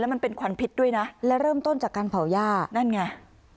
มันเป็นขวัญพิษด้วยนะและเริ่มต้นจากการเผาย่านั่นไง